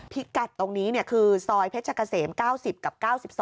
พิกัดตรงนี้คือซอยเพชรกะเสม๙๐กับ๙๒